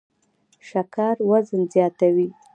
شکر وزن زیاتوي